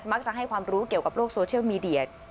จะให้ความรู้เกี่ยวกับโลกโซเชียลมีเดีย